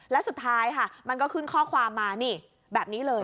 แล้วสุดท้ายค่ะมันก็ขึ้นข้อความมานี่แบบนี้เลย